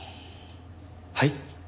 はい？